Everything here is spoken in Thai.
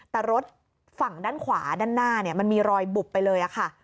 แต่รถฝั่งด้านขวาด้านหน้ามันมีรอยบุบไปเลยค่ะ